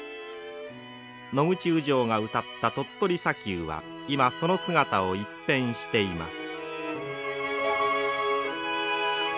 野口雨情がうたった鳥取砂丘は今その姿を一変しています。